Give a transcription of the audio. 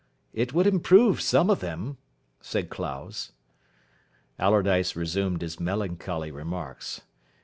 "It would improve some of them," said Clowes. Allardyce resumed his melancholy remarks.